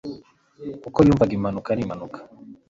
kuko yumvaga impanuka ari impanuka.